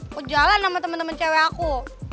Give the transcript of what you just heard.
aku jalan sama temen temen cewek aku